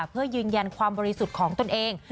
เพื่อยืนยันความบริสุทธิ์ของตนเอง